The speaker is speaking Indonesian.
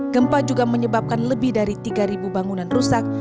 gempa juga menyebabkan lebih dari tiga bangunan rusak